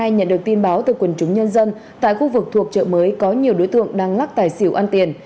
nhận được tin báo từ quần chúng nhân dân tại khu vực thuộc chợ mới có nhiều đối tượng đang lắc tài xỉu ăn tiền